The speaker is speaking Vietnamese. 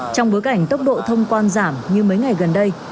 trong bối cảnh tốc độ thông quan giảm như mấy ngày gần đây